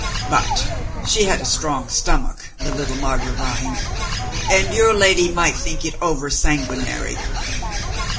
But she had a strong stomach, the little Margravine, and your lady might think it over sanguinary."